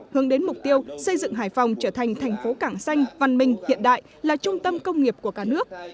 hướng đến mục tiêu xây dựng hải phòng trở thành thành phố cảng xanh văn minh hiện đại là trung tâm công nghiệp của cả nước